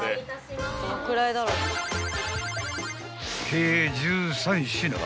［計１３品］